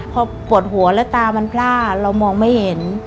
พอปวดหัวแล้วตามันพล่าเรามองไม่เห็น